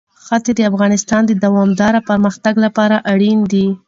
ښتې د افغانستان د دوامداره پرمختګ لپاره اړین دي.